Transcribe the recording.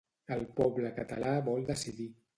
El poble català vol decidir.